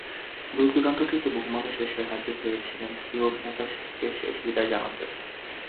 দূরদূরান্ত থেকে বহু মানুষ এসে হাজির হয়েছিলেন প্রিয় অভিনেতাকে শেষবিদায় জানাতে।